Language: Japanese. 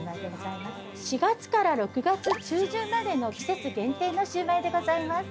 ４月から６月中旬までの季節限定のシウマイでございます。